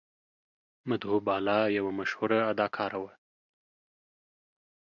مدهو بالا یوه مشهوره اداکاره وه.